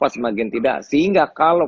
semakin tidak sehingga kalau